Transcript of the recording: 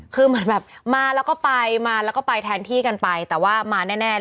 คือเหมือนแบบมาแล้วก็ไปมาแล้วก็ไปแทนที่กันไปแต่ว่ามาแน่